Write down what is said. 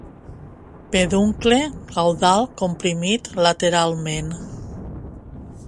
Peduncle caudal comprimit lateralment.